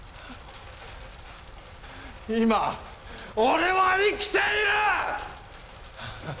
今俺は生きている！！